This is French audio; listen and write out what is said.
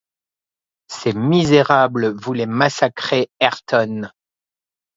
Ces misérables voulaient massacrer Ayrton!